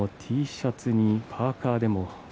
Ｔシャツにパーカーです。